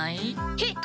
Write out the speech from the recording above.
へっ？